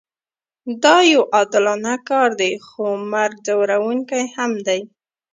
دا یو عادلانه کار دی خو مرګ ځورونکی هم دی